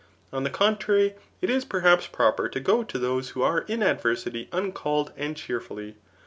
On the contrary, it is per haps proper to go to those who are in adversity uncalled and cheerfully.